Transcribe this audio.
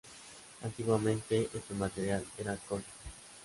Antiguamente este material era corcho.